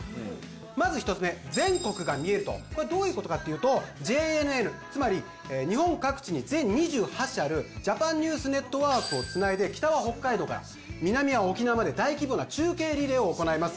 まず１つ目「全国がみえる」とこれどういうことかっていうとＪＮＮつまり日本各地に全２８社あるジャパン・ニュース・ネットワークをつないで北は北海道から南は沖縄まで大規模な中継リレーを行います